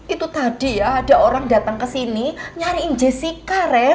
itu tadi ya ada orang datang ke sini nyariin jessi karet